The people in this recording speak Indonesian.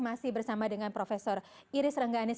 masih bersama dengan prof iris rengganis